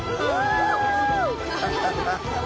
アハハハ！